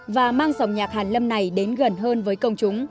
và mang dòng nhạc hàn lâm này đến gần hơn với công chúng